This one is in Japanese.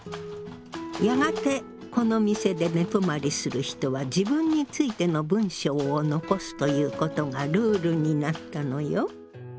やがてこの店で寝泊まりする人は自分についての文章を残すということがルールになったのよ。